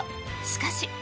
しかし。